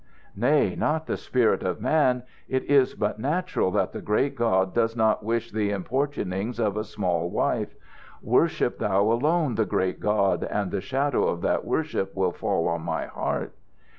"Nay, not the spirit of man. It is but natural that the great God does not wish the importunings of a small wife. Worship thou alone the great God, and the shadow of that worship will fall on my heart."